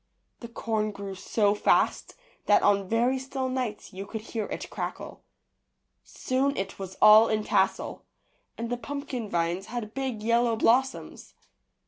The corn grew so fast that on very still nights you could hear it crackle. Soon it was all in tassel, and the pumpkin vines had big yellow blossoms.